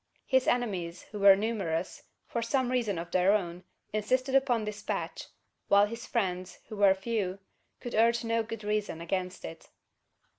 His enemies, who were numerous, for some reason of their own, insisted upon despatch: while his friends, who were few, could urge no good reason against it.